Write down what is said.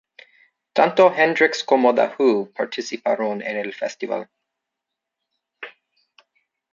Tanto Hendrix como The Who, participaron en el festival.